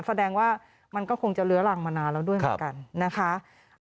แสดงว่ามันก็คงจะเลื้อรังมานานแล้วด้วยเหมือนกันนะคะ